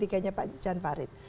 iya p tiga nya pak jan farid